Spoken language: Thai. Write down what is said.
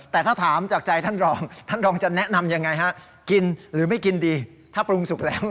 แต่ถ้าถามจากใจท่านรองท่านรองจะแนะนำยังไงฮะกินหรือไม่กินดีถ้าปรุงสุกแล้ว